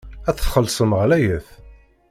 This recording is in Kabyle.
Ad tt-txellṣem ɣlayet.